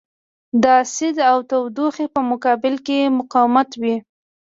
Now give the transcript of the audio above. د اسید او تودوخې په مقابل کې مقاوم وي.